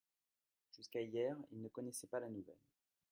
Jusqu'à hier ils ne connaissaient pas la nouvelle.